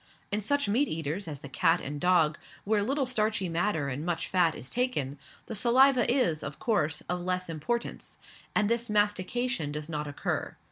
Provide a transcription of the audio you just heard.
In such meat eaters as the cat and dog, where little starchy matter and much fat is taken, the saliva is, of course, of less importance, and this mastication does not occur.